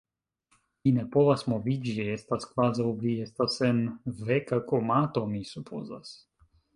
Vi ne povas moviĝi, estas kvazaŭ vi estas en... veka komato, mi supozas.